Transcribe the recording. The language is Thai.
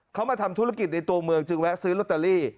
เขามาทำธุรกิจในตัวเมืองจึงแวะซื้อลอตเตอรี่